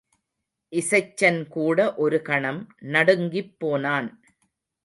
இசைச்சன்கூட ஒரு கணம் நடுங்கிப் போனான்.